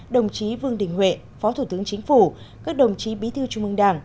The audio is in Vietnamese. đồng chí vương đình huệ phó thủ tướng chính phủ các đồng chí bí thư trung mương đảng